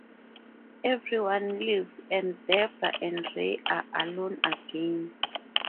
Everyone leaves and Debra and Ray are alone again.